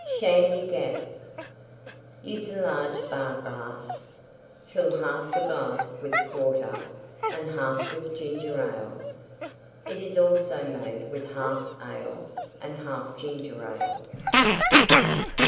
SHANDY GAFF Use a large Bar glass. Fill half the glass with Porter and half with Ginger Ale. It is also made with half Ale and half Ginger Ale.